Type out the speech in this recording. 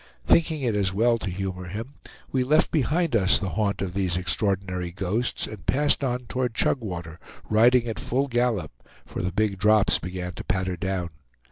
Thinking it as well to humor him, we left behind us the haunt of these extraordinary ghosts, and passed on toward Chugwater, riding at full gallop, for the big drops began to patter down.